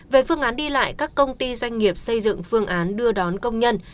về phương án đi lại các công ty doanh nghiệp xây dựng phương án đưa đón công nhân